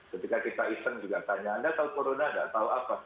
ketika kita iseng juga tanya anda tahu corona nggak tahu apa